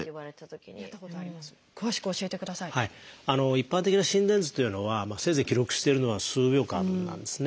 一般的な心電図というのはせいぜい記録してるのは数秒間なんですね。